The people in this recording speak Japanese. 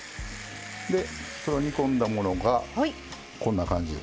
煮込んだものが、こんな感じ。